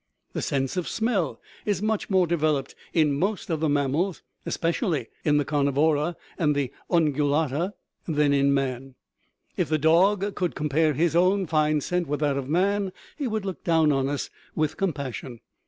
The sense of smell is much more de veloped in most of the mammals, especially in the car nivora and the ungulata, than in man ; if the dog could compare his own fine scent with that of man, he would look down on us with compassion.